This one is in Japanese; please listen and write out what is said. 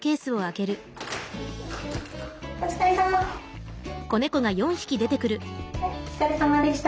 お疲れさまでした。